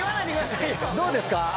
どうですか？